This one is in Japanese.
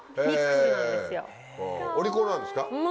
お利口なんですか？